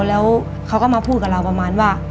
แล้วเขาก็มาพูดกับเราประมาณว่า